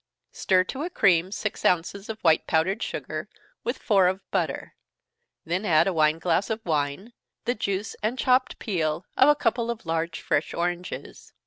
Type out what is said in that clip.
_ Stir to a cream six ounces of white powdered sugar, with four of butter then add a wine glass of wine, the juice and chopped peel of a couple of large fresh oranges.